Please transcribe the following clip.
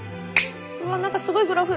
うわ何かすごいグラフ。